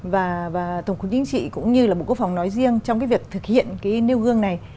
và tổng cục chính trị cũng như là bộ quốc phòng nói riêng trong cái việc thực hiện cái nêu gương này